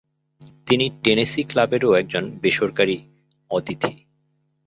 তিনি টেনেসী ক্লাবেরও একজন বেসরকারী অতিথি।